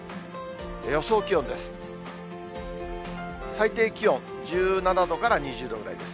予想気温です。